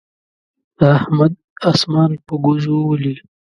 احمد اسمان په ګوزو ولي.